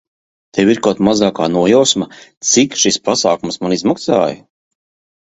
Tev ir kaut mazākā nojausma, cik šis pasākums man izmaksāja?